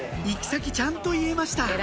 行き先ちゃんと言えました